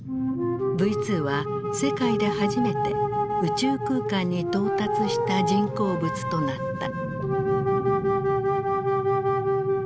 Ｖ２は世界で初めて宇宙空間に到達した人工物となった。